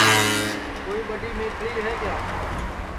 کوئی ٻڈؔی کوتھݪی ہے کیا